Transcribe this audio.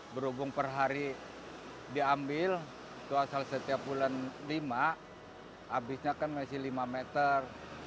berhubung per hari diambil itu asal setiap bulan lima habisnya kan masih lima meter